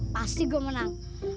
pasti gue menang